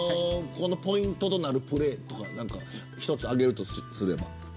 ポイントとなるプレー一つ挙げるとすれば。